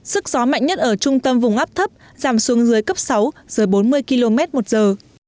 sức gió mạnh nhất ở trung tâm vùng áp thấp giảm xuống dưới cấp sáu dưới bốn mươi km một giờ